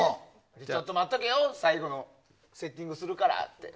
ちょっと待っておけよ最後のセッティングするからって。